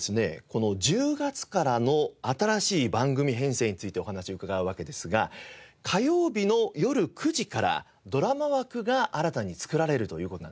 この１０月からの新しい番組編成についてお話を伺うわけですが火曜日のよる９時からドラマ枠が新たに作られるという事なんですね。